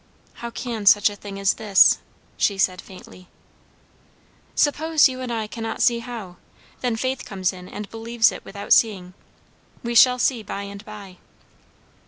"How can such a thing as this?" she said faintly. "Suppose you and I cannot see how? Then faith comes in and believes it without seeing. We shall see by and by."